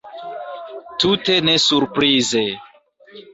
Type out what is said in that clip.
Tute ne surprize.